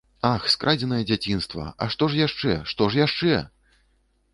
Ах, скрадзенае дзяцінства, а што ж яшчэ, што ж яшчэ!